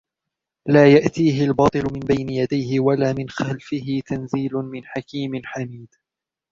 لَا يَأْتِيهِ الْبَاطِلُ مِنْ بَيْنِ يَدَيْهِ وَلَا مِنْ خَلْفِهِ تَنْزِيلٌ مِنْ حَكِيمٍ حَمِيدٍ